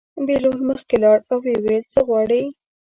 بهلول مخکې لاړ او ویې ویل: څه غواړې.